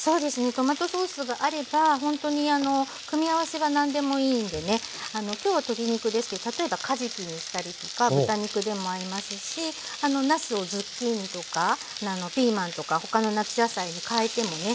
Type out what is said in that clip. トマトソースがあればほんとに組み合わせは何でもいいんでね今日は鶏肉ですけど例えばかじきにしたりとか豚肉でも合いますしなすをズッキーニとかピーマンとか他の夏野菜にかえてもねすごく合います。